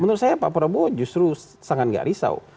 menurut saya pak prabowo justru sangat gak risau